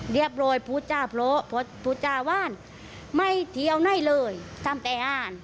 เรียบร้อยพูดจาเพราะผู้จ้าว่านไม่เที่ยวไหนเลยทำแต่อ่าน